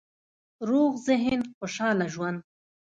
روغ ذهن، خوشحاله ژوند